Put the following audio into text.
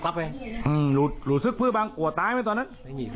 อือหลุดซึกพื้นบางกวดตายไหมตอนนั้น